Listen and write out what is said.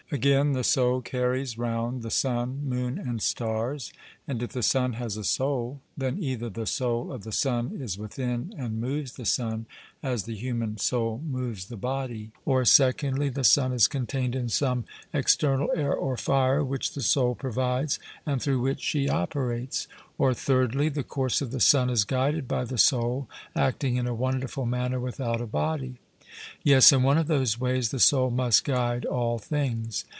Again, the soul carries round the sun, moon, and stars, and if the sun has a soul, then either the soul of the sun is within and moves the sun as the human soul moves the body; or, secondly, the sun is contained in some external air or fire, which the soul provides and through which she operates; or, thirdly, the course of the sun is guided by the soul acting in a wonderful manner without a body. 'Yes, in one of those ways the soul must guide all things.'